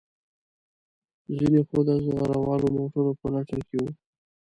ځینې خو د زغره والو موټرو په لټه کې وو.